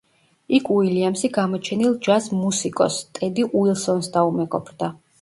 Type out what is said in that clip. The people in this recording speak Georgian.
იქ უილიამსი გამოჩენილ ჯაზ მუსიკოსს ტედი უილსონს დაუმეგობრდა.